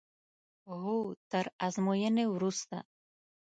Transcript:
هو تر ازموینې وروسته.